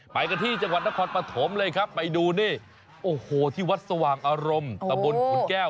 ไปกันที่จังหวัดนครปฐมเลยครับไปดูนี่โอ้โหที่วัดสว่างอารมณ์ตะบนขุนแก้ว